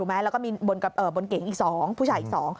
แล้วก็มีบนเก๋งอีก๒ผู้ชายอีก๒